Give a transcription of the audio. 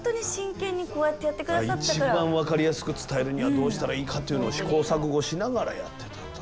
一番分かりやすく伝えるにはどうしたらいいかっていうのを試行錯誤しながらやってたと。